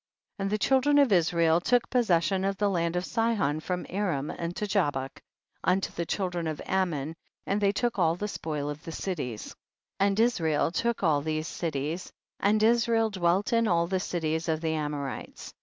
17. And the children of Israel took possession of the land of Sihon from Aram unto Jabuk, unto the children of Ammon, and they took all the spoil of the cities. IS. And Israel took all these cities, and Israel dwelt in all the cities of the Amorites.